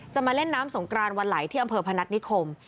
มาเล่นน้ำสงกรานวันไหลที่อำเภอพนัฐนิคม